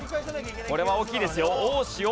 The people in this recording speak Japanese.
これは大きいですよ。